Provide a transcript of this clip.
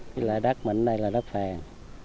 với lại đất mình đây là đất vàng